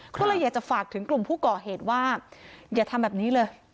ก็เลยอยากจะฝากถึงกลุ่มผู้ก่อเหตุว่าอย่าทำแบบนี้เลย